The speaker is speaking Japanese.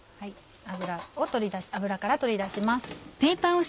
油から取り出します。